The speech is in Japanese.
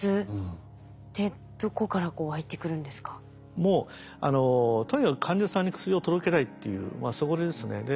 もうとにかく患者さんに薬を届けたいっていうそこですね。